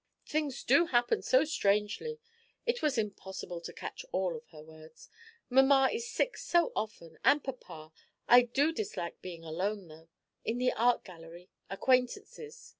'Things do happen so strangely' it was impossible to catch all of her words 'mamma is sick so often and papa I do dislike being alone, though in the Art Gallery acquaintances.